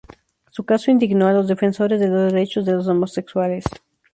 Su caso indignó a los defensores de los derechos de los homosexuales.